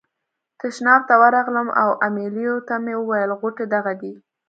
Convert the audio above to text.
تشناب ته ورغلم او امیلیو ته مې وویل غوټې دغه دي.